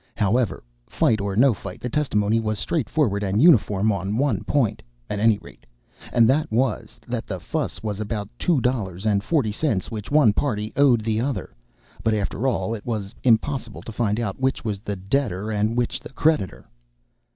However, fight or no fight, the testimony was straightforward and uniform on one point, at any rate, and that was, that the fuss was about two dollars and forty cents, which one party owed the other, but after all, it was impossible to find out which was the debtor and which the creditor.